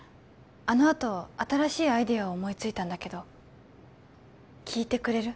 あのあと新しいアイデアを思いついたんだけど聞いてくれる？